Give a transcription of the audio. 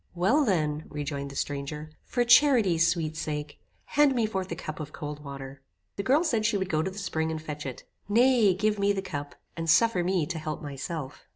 "Well then," rejoined the stranger, "for charity's sweet sake, hand me forth a cup of cold water." The girl said she would go to the spring and fetch it. "Nay, give me the cup, and suffer me to help myself.